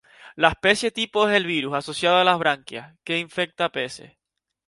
La especie tipo es el "Virus asociado a las branquias", que infecta peces.